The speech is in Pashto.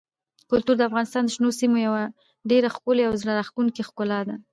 کلتور د افغانستان د شنو سیمو یوه ډېره ښکلې او زړه راښکونکې ښکلا ده.